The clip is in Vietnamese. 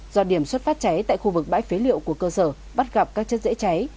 do điểm xuất phát cháy tại khu vực bãi phế liệu của cơ sở bắt gặp các chất dễ cháy